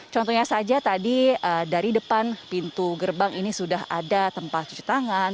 contohnya saja tadi dari depan pintu gerbang ini sudah ada tempat cuci tangan